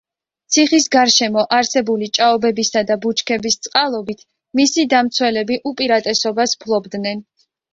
ციხის გარშემო არსებული ჭაობებისა და ბუჩქების წყალობით, მისი დამცველები უპირატესობას ფლობდნენ.